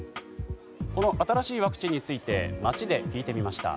新しいワクチンについて街で聞いてみました。